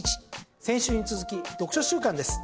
先週に続き、読書週間です。